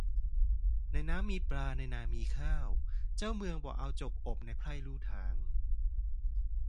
ในน้ำมีปลาในนามีข้าว เจ้าเมืองบ่เอาจกอบในไพร่ลู่ทาง